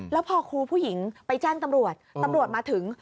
แล้วพอครูผู้หญิงไปแจ้งตำรวจตำรวจมาถึง